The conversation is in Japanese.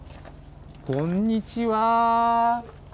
こんにちは。